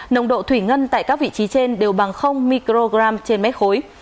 nồng độ thủy ngân tại các vị trí trên đều bằng microgram trên mét khối